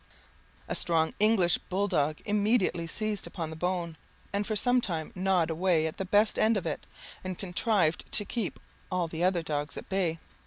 A strong English bull dog immediately seized upon the bone, and for some time gnawed away at the best end of it, and contrived to keep all the other dogs at bay.